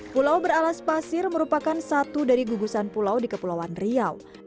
pulau beralas pasir merupakan satu dari gugusan pulau di kepulauan riau